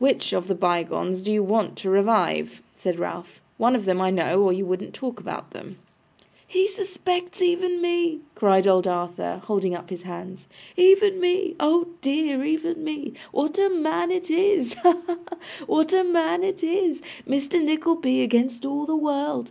'WHICH of the bygones do you want to revive?' said Ralph. 'One of them, I know, or you wouldn't talk about them.' 'He suspects even me!' cried old Arthur, holding up his hands. 'Even me! Oh dear, even me. What a man it is! Ha, ha, ha! What a man it is! Mr Nickleby against all the world.